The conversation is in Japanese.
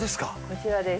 こちらです。